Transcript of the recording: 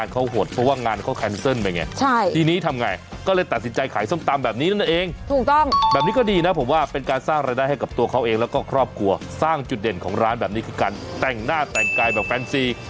ของร้านแบบนี้คือการแต่งหน้าแต่งกายแบบแฟนซี